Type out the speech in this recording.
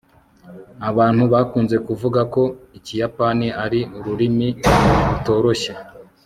abantu bakunze kuvuga ko ikiyapani ari ururimi rutoroshye